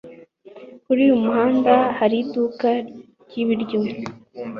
Kuri uyu muhanda hari iduka ryibiryo.